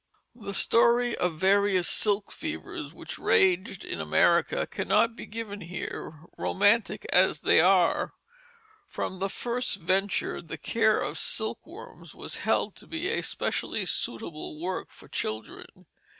The story of various silk fevers which raged in America cannot be given here, romantic as they are. From the first venture the care of silkworms was held to be a specially suitable work for children.